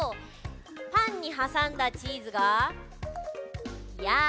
パンにはさんだチーズが「やあ」